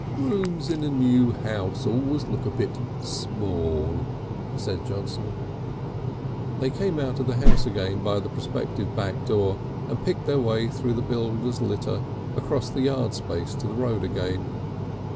"Rooms in a new house always look a bit small," said Johnson. They came out of the house again by the prospective back door, and picked their way through builder's litter across the yard space to the road again.